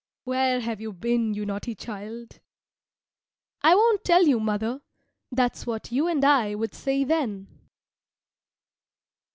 "Where have you been, you naughty child?" "I won't tell you, mother." That's what you and I would say then.